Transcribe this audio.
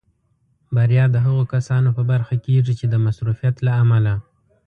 بریا د هغو کسانو په برخه کېږي چې د مصروفیت له امله.